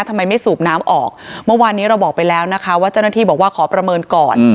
ทำไมไม่สูบน้ำออกเมื่อวานนี้เราบอกไปแล้วนะคะว่าเจ้าหน้าที่บอกว่าขอประเมินก่อน